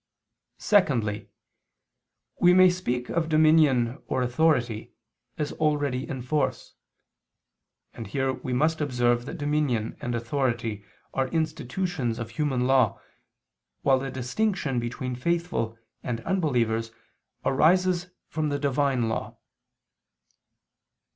Secondly, we may speak of dominion or authority, as already in force: and here we must observe that dominion and authority are institutions of human law, while the distinction between faithful and unbelievers arises from the Divine law.